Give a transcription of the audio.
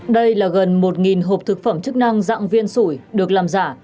đây là gần một hộp thực phẩm chức năng dạng viên sủi được làm giả